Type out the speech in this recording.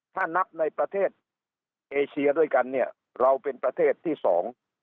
ถ้านับในประเทศเอเชียด้วยกันเนี่ยเราเป็นประเทศที่สอง